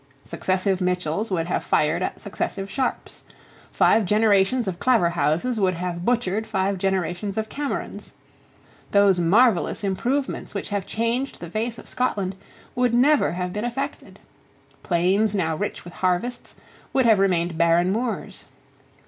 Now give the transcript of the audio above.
Successive Mitchells would have fired at successive Sharpes. Five generations of Claverhouses would have butchered five generations of Camerons. Those marvellous improvements which have changed the face of Scotland would never have been effected. Plains now rich with harvests would have remained barren moors.